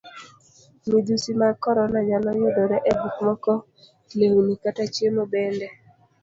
Midhusi mag korona nyalo yudore e gik moko lewni, kata chiemo bende.